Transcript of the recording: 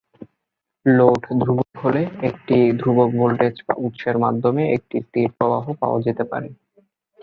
Load ধ্রুবক হলে, একটি ধ্রুবক ভোল্টেজ উৎসের মাধ্যমে একটি স্থির প্রবাহ পাওয়া যেতে পারে।